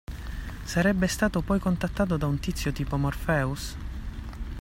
Sarebbe stato poi contattato da un tizio tipo Morpheus?